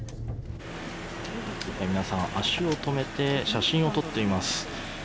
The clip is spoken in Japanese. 皆さん、足を止めて写真を撮っています。